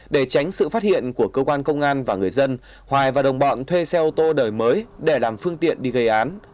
để tránh sự phát hiện của cơ quan công an và người dân hoài và đồng bọn thuê xe ô tô đời mới để làm phương tiện đi gây án